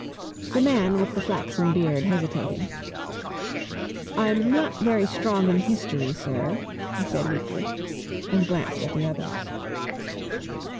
The man with the flaxen beard hesitated. "I'm not very strong in history, sir," he said weakly, and glanced at the others.